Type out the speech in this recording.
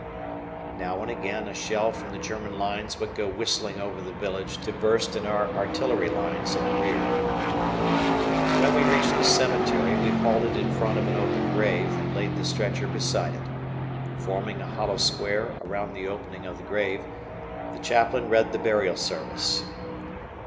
Now and again a shell from the German lines would go whistling over the village to burst in our artillery lines in the rear. When we reached the cemetery, we halted in front of an open grave, and laid the stretcher beside it. Forming a hollow square around the opening of the grave, the Chaplain read the burial service.